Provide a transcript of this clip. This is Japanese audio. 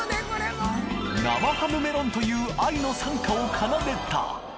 生ハムメロンという愛の賛歌を奏でた